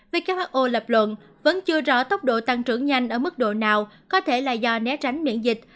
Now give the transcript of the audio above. who lập luận vẫn chưa rõ tốc độ tăng trưởng nhanh ở mức độ nào có thể là do né tránh miễn dịch